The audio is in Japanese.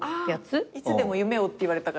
『いつでも夢を』って言われたからそこが浮か